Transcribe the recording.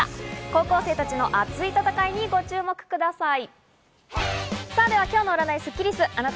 高校生たちの熱い戦いにご注目ください！